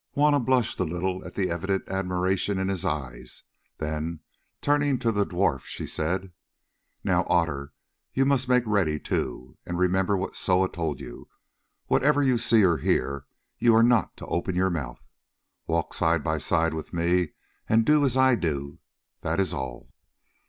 Juanna blushed a little at the evident admiration in his eyes; then, turning to the dwarf, she said: "Now, Otter, you must make ready too. And remember what Soa told you. Whatever you see or hear, you are not to open your mouth. Walk side by side with me and do as I do, that is all."